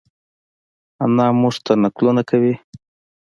انا مونږ ته نقلونه کوی